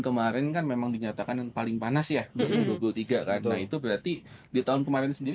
kemarin kan memang dinyatakan yang paling panas ya dua ribu dua puluh tiga karena itu berarti di tahun kemarin sendiri